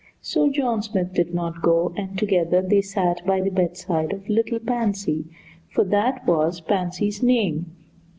So John Smith did not go, and together they sat by the bedside of little Pansy (for that was Pansy's name).